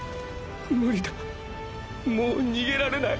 ムリだもう逃げられない。